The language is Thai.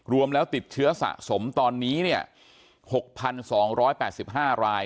รวมแล้วติดเชื้อสะสมตอนนี้๖๒๘๕ราย